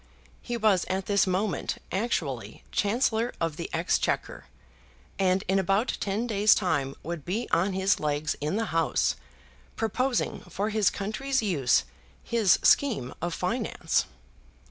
He was at this moment actually Chancellor of the Exchequer, and in about ten days' time would be on his legs in the House proposing for his country's use his scheme of finance.